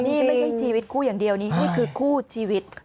นี่ไม่ใช่ชีวิตคู่อย่างเดียวนี่คือคู่ชีวิต